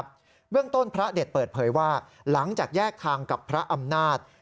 เบื้องต้นพระเด็ดเปิดเผยว่าหลังจากแยกทางกับพระอำนาจ